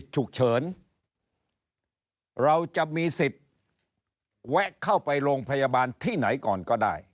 ฉุกเฉินเราจะมีสิทธิ์แวะเข้าไปโรงพยาบาลที่ไหนก่อนก็ได้